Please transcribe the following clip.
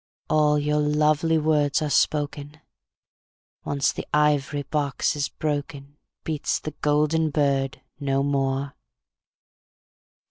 All your lovely words are spoken. Once the ivory box is broken, Beats the golden bird no more.